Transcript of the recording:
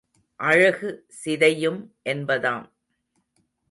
அழகு சிதையும் என்பதாம்.